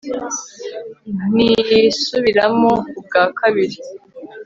ntisubiramo ubwa kabiri